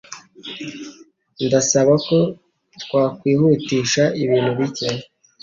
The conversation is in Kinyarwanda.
Ndasaba ko twakwihutisha ibintu bike.